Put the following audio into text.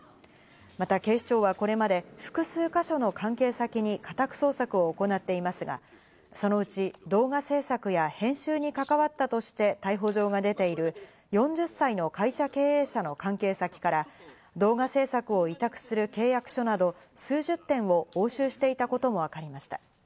また警視庁はこれまで複数か所の関係先に家宅捜索を行っていますが、そのうち動画制作や編集に関わったとして逮捕状が出ている４０歳の会社経営者の関係先から動画制作を委託する契約書など数十点を押収していたこともわかりました。